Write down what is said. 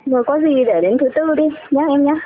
rồi có gì để đến thứ bốn đi nhé em nhé